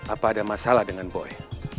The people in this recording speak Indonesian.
apa ada masalah dengan boe